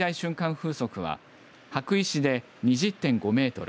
風速は羽咋市で２０．５メートル